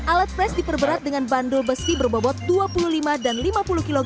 alat fresh diperberat dengan bandul besi berbobot dua puluh lima dan lima puluh kg